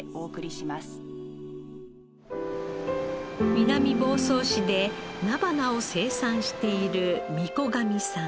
南房総市で菜花を生産している御子神さん。